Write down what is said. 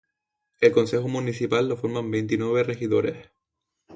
El consejo municipal lo forman veintinueve regidores.